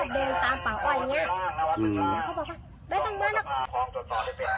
ทำร้ายเด็กอีก